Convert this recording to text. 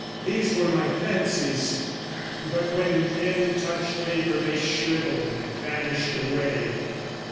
These were my fancies; but when pen touched paper they shrivelled and vanished away.'